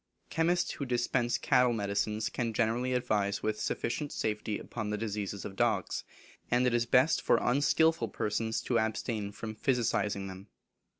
Chemists who dispense cattle medicines can generally advise with sufficient safety upon the diseases of dugs, and it is best for unskilful persons to abstain from physicing them.